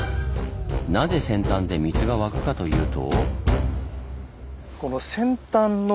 なぜ扇端で水が湧くかというと？